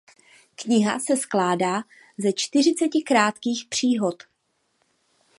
Kniha se skládá ze čtyřiceti krátkých příhod.